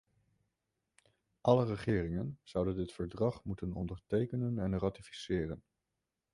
Alle regeringen zouden dit verdrag moeten ondertekenen en ratificeren.